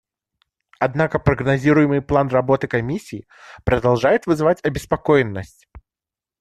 Однако прогнозируемый план работы Комиссии продолжает вызывать обеспокоенность.